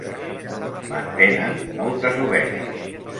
Mantenen moltes ovelles.